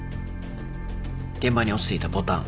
現場に落ちていたボタン。